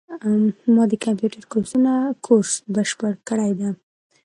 ما د کامپیوټر کورس بشپړ کړی ده